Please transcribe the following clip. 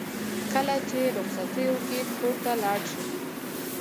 کله چې رخصتیو کې کور ته لاړ شي.